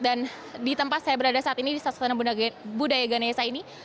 dan di tempat saya berada saat ini di stadion budaya ganesa ini